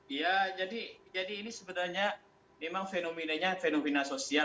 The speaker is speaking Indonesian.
iya jadi ini sebenarnya memang fenomenanya fenomena sosial